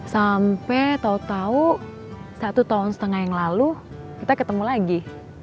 sampai tau tau satu tahun setengah yang lalu kita ketemu lagi